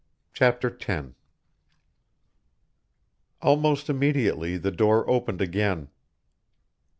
Chapter Ten Almost immediately the door opened again.